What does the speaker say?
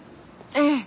ええ。